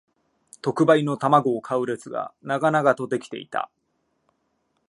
特売の玉子を買う列が長々と出来ていた